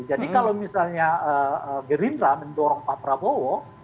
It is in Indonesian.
jadi kalau misalnya gerindra mendorong pak prabowo